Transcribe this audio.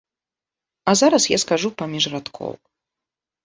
А зараз я скажу паміж радкоў.